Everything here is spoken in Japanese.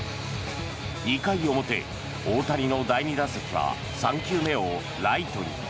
２回表、大谷の第２打席は３球目をライトに。